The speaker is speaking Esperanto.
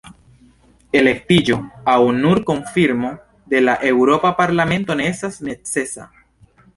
Elektiĝo aŭ nur konfirmo de la Eŭropa Parlamento ne estas necesa.